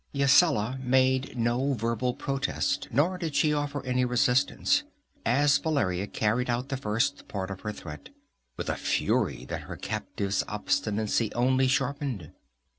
Yasala made no verbal protest, nor did she offer any resistance, as Valeria carried out the first part of her threat with a fury that her captive's obstinacy only sharpened.